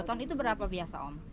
lima ton itu berapa biasa om